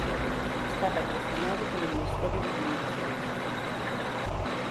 Está patrocinado polo Ministerio de Comunicacións.